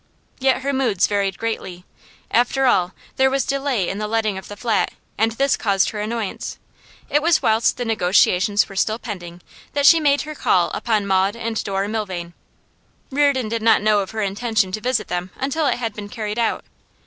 Yet her moods varied greatly. After all, there was delay in the letting of the flat, and this caused her annoyance. It was whilst the negotiations were still pending that she made her call upon Maud and Dora Milvain; Reardon did not know of her intention to visit them until it had been carried out.